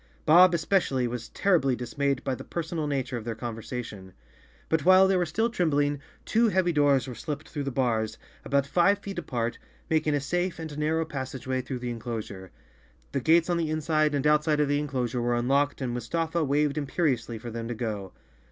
Bob, especially, was terribly dismayed by the personal nature of their conversation. But, while they were still trembling, two heavy doors were slipped through the bars, about five feet apart, 56 Chapter Four making a safe and narrow passageway through the en¬ closure. The gates on the inside and outside of the en¬ closure were unlocked and Mustafa waved imperiously for them to go.